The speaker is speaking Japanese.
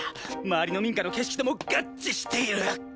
周りの民家の景色とも合致している！